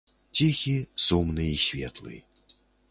Ціхі, сумны і светлы.